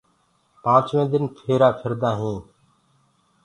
پآنچوينٚ دن ڦيرآ ڦيرآندآ هينٚ۔